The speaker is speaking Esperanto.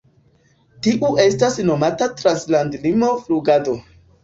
Tiu estas nomata Trans-landlimo Flugado.